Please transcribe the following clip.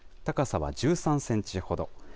高さは１３センチほど。